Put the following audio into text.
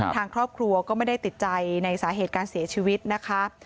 ทางครอบครัวก็ไม่ได้ติดใจในสาเหตุการเสียชีวิตนะคะ